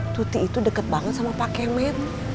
tuti itu deket banget sama pak kemet